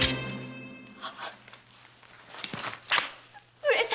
上様！